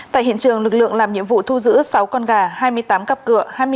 tại hiện trường lực lượng làm nhiệm vụ thu giữ sáu con gà hai mươi tám cặp cửa